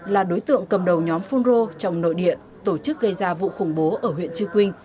là đối tượng cầm đầu nhóm phun rô trong nội địa tổ chức gây ra vụ khủng bố ở huyện chư quynh